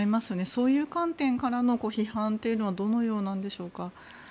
そういう観点からの批判はどのようなんでしょうか？